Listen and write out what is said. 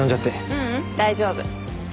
ううん大丈夫。